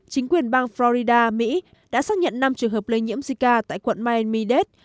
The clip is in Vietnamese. chính quyền bang florida mỹ đã xác nhận năm trường hợp lây nhiễm zika tại quận miami dade